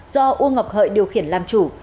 do uông ngọc hợi điều khiển làm chủ